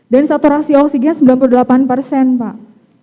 dan saturasi oksigen sembilan puluh delapan persen pak